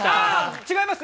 違います